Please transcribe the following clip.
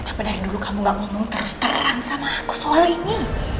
aku dari dulu kamu gak ngomong terus terang sama aku soal ini